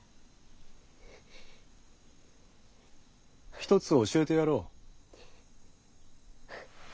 ひとつ教えてやろう。